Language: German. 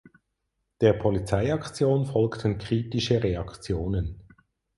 Der Polizeiaktion folgten kritische Reaktionen.